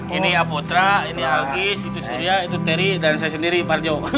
ini apotra ini alkis itu syria itu terry dan saya sendiri parjo